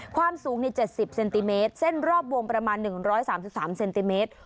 ความสูงใน๗๐เซนติเมตรเส้นรอบวงประมาณ๑๓๓เซนติเมตร